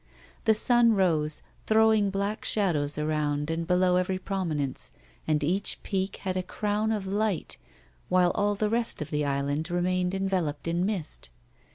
The sun rose, throwing black shadows around and below every prominence, and each peak had a cro\Yn of light, while all the rest of the island remained enveloped in mist.